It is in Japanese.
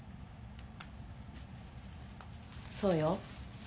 そうよ。